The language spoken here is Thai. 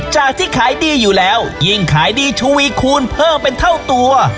จากที่ขายดีอยู่แล้วยิ่งขายดีชวีคูณเพิ่มเป็นเท่าตัว